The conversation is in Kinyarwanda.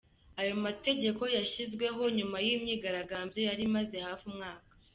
Ayo mategeko yashyizweho nyuma y'imyigaragambyo yari imaze hafi umwaka.